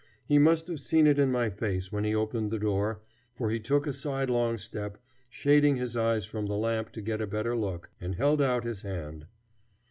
He must have seen it in my face when he opened the door, for he took a sidelong step, shading his eyes from the lamp to get a better look, and held out his hand.